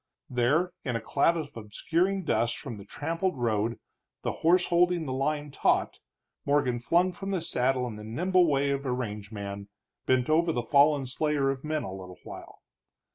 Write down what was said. There, in a cloud of obscuring dust from the trampled road, the horse holding the line taut, Morgan flung from the saddle in the nimble way of a range man, bent over the fallen slayer of men a little while.